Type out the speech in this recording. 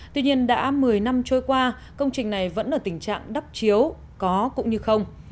tuy nhiên đã một mươi năm trôi qua công trình này vẫn ở tình trạng đắp chiếu có cũng như không